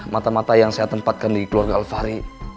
mata mata yang saya tempatkan di keluarga alfahri